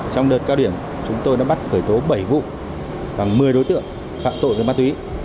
trong đợt cao điểm chúng tôi đã bắt khởi tố bảy vụ và một mươi đối tượng phạm tội về ma túy